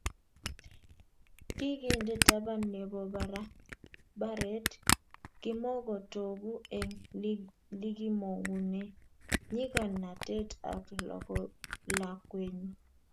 kikinde taban ne bo barabaret kimokotoku eng likimongunee nyikanatet ak lakwenyi